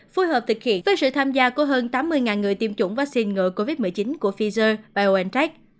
phối hợp thực hiện với sự tham gia của hơn tám mươi người tiêm chủng vaccine ngừa covid một mươi chín của pfizer biontech